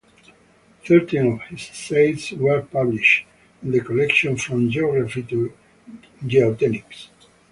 Thirteen of his essays were published in the collection "From Geography to Geotechnics".